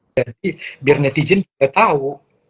jadi biar netizen gak tau